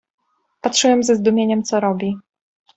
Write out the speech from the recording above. "Patrzyłem ze zdumieniem, co robi."